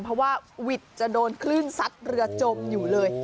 เพราะว่าวิทย์จะโดนคลื่นซัดเรือจมอยู่เลย